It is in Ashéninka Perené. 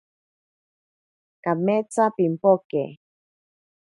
Kametsa pimpoke.